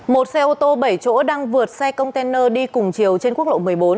một xe ô tô bảy chỗ đang vượt xe container đi cùng chiều trên quốc lộ một mươi bốn